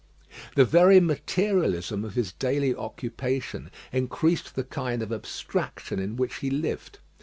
The very materialism of his daily occupation increased the kind of abstraction in which he lived.